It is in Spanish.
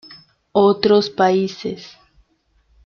Otros Países